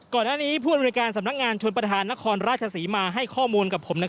ก่อนหน้านี้ผู้อำนวยการสำนักงานชนประธานนครราชศรีมาให้ข้อมูลกับผม